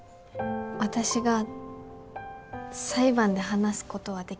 私が裁判で話すことはできますか？